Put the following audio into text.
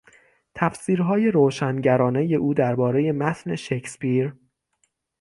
تفسیرهای روشنگرانهی او دربارهی متن شکسپیر